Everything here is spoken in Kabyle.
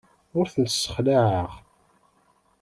Ur tent-ssexlaɛeɣ.